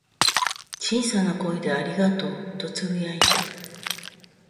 小さな声で「ありがとう」とつぶやいた。